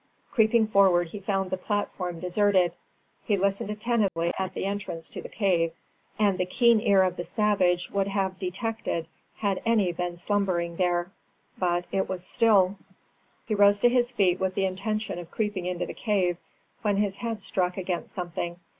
Creeping forward he found the platform deserted. He listened attentively at the entrance to the cave, and the keen ear of the savage would have detected had any been slumbering there; but all was still. He rose to his feet with the intention of creeping into the cave, when his head struck against something.